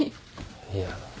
いや。